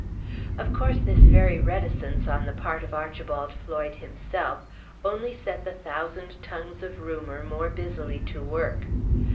Of course this very reticence on the part of Archibald Floyd himself only set the thousand tongues of rumor more busily to work.